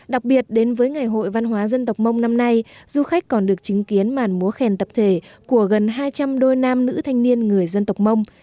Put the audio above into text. đặc biệt đến với ngày hội văn hóa dân tộc mông năm nay du khách còn được chứng kiến màn múa khen tập thể của gần hai trăm linh đôi nam nữ thanh niên người dân tộc mông